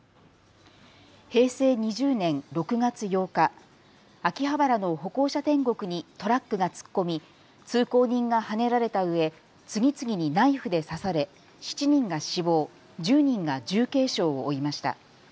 平成２０年６月８日、秋葉原の歩行者天国にトラックが突っ込み通行人がはねられたうえ、次々にナイフで刺され７人が死亡、１０人が重軽傷を負いました。